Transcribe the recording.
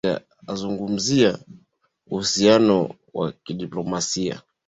kwa upande wake azungumzia uhusiano wa kidiplomasia